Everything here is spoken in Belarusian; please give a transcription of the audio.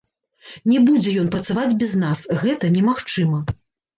Не будзе ён працаваць без нас, гэта немагчыма.